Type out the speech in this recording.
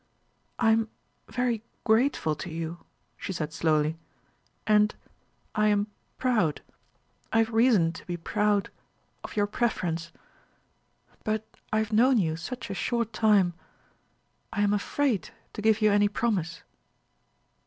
"I am very grateful to you," she said slowly, "and I am proud I have reason to be proud of your preference. But I have known you such a short time. I am afraid to give you any promise."